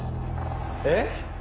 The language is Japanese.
えっ？